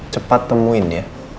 cepat temuin dia